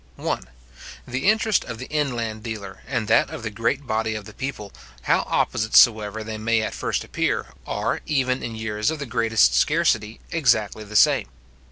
I. The interest of the inland dealer, and that of the great body of the people, how opposite soever they may at first appear, are, even in years of the greatest scarcity, exactly the same.